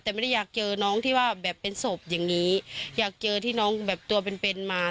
แต่ไม่ได้อยากเจอน้องที่ว่าแบบเป็นศพอย่างงี้อยากเจอที่น้องแบบตัวเป็นเป็นมา